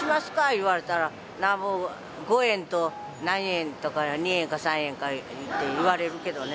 言われたら、なんぼ、５円と何円とか、２円か、３円かって言われるけどね。